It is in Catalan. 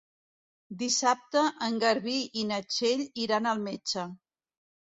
Dissabte en Garbí i na Txell iran al metge.